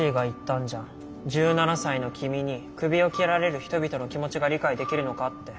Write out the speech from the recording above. １７才の君にクビを切られる人々の気持ちが理解できるのかって。